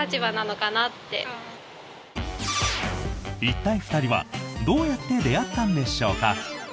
一体、２人はどうやって出会ったんでしょうか？